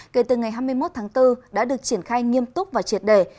kể từ ngày hai mươi một tháng bốn đã được triển khai nghiêm túc và triệt đề